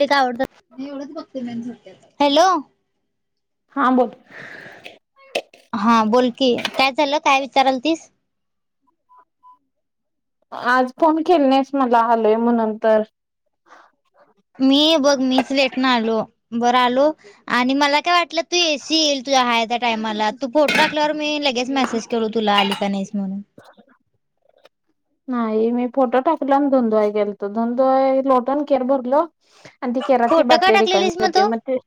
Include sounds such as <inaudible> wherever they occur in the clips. ते काय आवडतं एवढच बघतोय मी आणि झोपत्यात हॅलो हा बोल हा बोल की काय चाललं काय विचारालतीस आज फोन केली नाहीस मला आलोय म्हणून तर मी बघ मीच लेट नं आलो बरं आलो आणि मला काय वाटलं ती एसी येईल तुझ्या आहे त्या टायमाला तू फोटो टाकल्यावर मी लगेच मेसेज केलो तुला आली का नाहीस म्हणून होय नाही मी फोटो टाकला आणि धुणं धुवायला गेलतो धुणं धुवाय लोटून केर भरलो आणि ती केरात ती फोटो का बाटली टाकलेलीस रिकामी होती तू? मग ती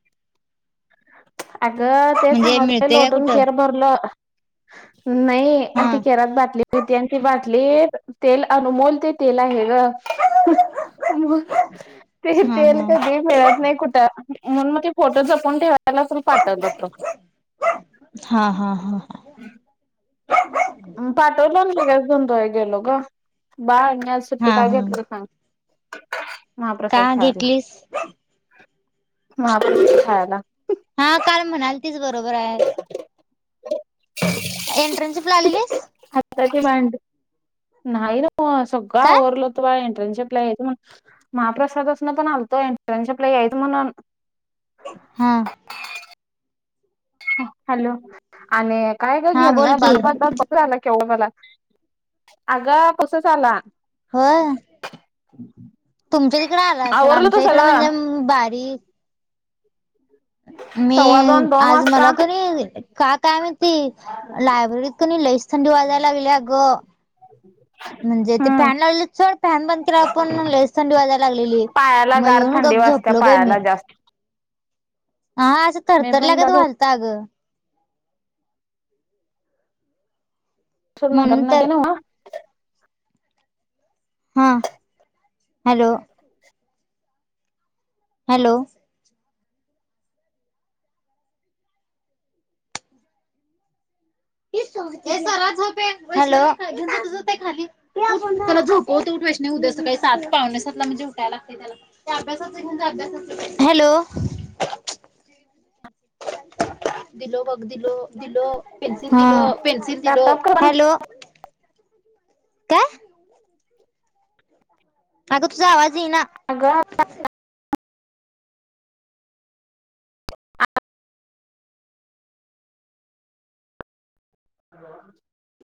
अगं तेच म्हणजे सांगलोय मिळते काय लोटून कुठं? केर भर भरलं नाही आणि हा ती केरात बाटली होती आणि ती बाटलीत तेल अनुमोल ते तेल आहे ग ते हा तेल हा कधी मिळत नाही कुठं म्हणून मग ते फोटो जपून ठेवा त्याला असल पाठवतात तर. हा हा हा पाठवलं आणि लगेच धुणं <unintelligible> गेलो. गं बाळने आज सुट्टी हा काय हा घेतली ते सांग? का महाप्रसाद खायला घेतलीस? महाप्रसाद खायला. हा काल म्हणालतीस बरोबर आहे. एंट्रन्सशिप ला आलेलीस? आताची भांडी नाही ना गं सगळा काय? आवरलं. तो बाय एंट्रन्स शिपला यायचं म्हणून महाप्रसादासनं पण आलतो एन्ट्रन्सशिपला यायचं म्हणून हा. हॅलो आणि काय गं हा बोल गिरणं. की <unintelligible> <unintelligible> झाला क्यो बला अगं पावसाच आला. होय तुमच्या तिकडं आला असेल आवरलं होतं आमच्या इकडे सगळं म्हणजे उम्म बारीक मी सव्वा दोन दोन आज वाजता मला का नाही का काय माहित ती लायब्ररी क नाही लईच थंडी वाजायला लागलेली अगं. <unintelligible> म्हणजे ते फॅन लावलेले सोड फोन बंद केल्यावर पण लईच थंडी वाजाय लागलेली. पायाला म गार येऊन थंडी गप वाजत्या झोपलो बाई पायाला मी. जास्त हा असे मी पण थरथरल्यागत बघ व्हायलता गं. सुरणं म्हणून धरणं तर देना वा. हां हॅलो. हॅलो. हॅलो. उठ त्याला झोपवतो ऊठ वैष्णवी उद्या सकाळी सात पावणे सातला म्हणजे उठायला लागते त्याला. त्या अभ्यासाचं घेऊन जा अभ्यासाचं हॅलो. दिलो बघ दिलो दिलो पेन्सिल दिलो पेन्सिल दिलो लॅपटॉप हा हॅलो. काय <inaudible> अगं तुझा आवाज येईना. <unintelligible> <unintelligible> <unintelligible>